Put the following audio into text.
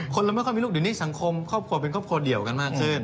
เราไม่ค่อยมีลูกเดี๋ยวนี้สังคมครอบครัวเป็นครอบครัวเดียวกันมากขึ้น